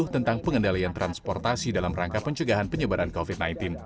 tentang pengendalian transportasi dalam rangka pencegahan penyebaran covid sembilan belas